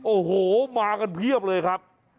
โอ้โหมากันเพียบเลยครับ